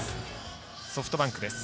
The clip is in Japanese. ソフトバンクです。